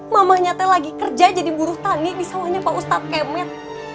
mamahnya teh lagi kerja jadi buruh tangi di sawahnya pak ustadz kemet